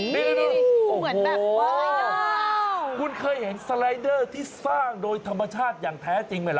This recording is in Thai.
นี่เหมือนแบบคุณเคยเห็นสไลเดอร์ที่สร้างโดยธรรมชาติอย่างแท้จริงไหมล่ะ